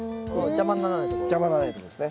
邪魔にならないってことですね。